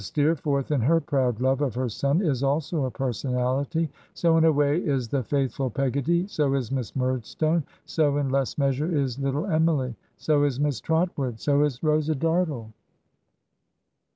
Steerforth, in her proud love of her son, is also a personahty; so, in a way, is the faithful Peggotty; so is Miss Murdstone; so, in less measure, is Little Emily; so is Miss Trotwood; so is Rosa Dartle.